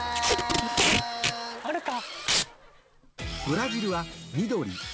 ウソあるか。